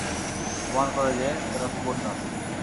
প্রমাণ কর যে, তোরা কুকুর নস।